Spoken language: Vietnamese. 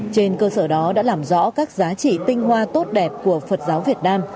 trên cơ sở đó đã làm rõ các giá trị tinh hoa tốt đẹp của phật giáo việt nam